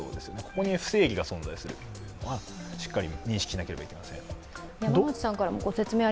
ここに不正義が存在しているとしっかり認識しなければいけません。